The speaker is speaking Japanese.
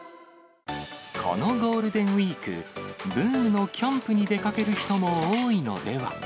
このゴールデンウィーク、ブームのキャンプに出かける人も多いのでは。